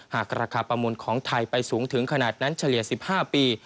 หากราคาประมูลของไทยไปสูงถึงขนาดนั้นเฉลี่ย๑๕ปี